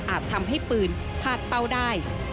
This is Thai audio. ทำให้ปืนพลาดเป้าได้